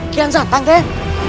kian santang deh